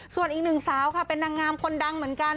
ส่วนอีกหนึ่งสาวค่ะเป็นนางงามคนดังเหมือนกัน